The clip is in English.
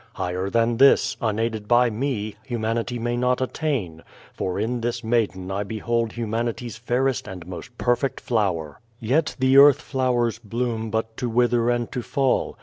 Higher than this, unaided by me, Humanity may not attain, for in this maiden I behold Humanity's fairest and most perfect flower. Yet the earth flowers bloom but to wither and to fall.